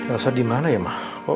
elsa dimana ya ma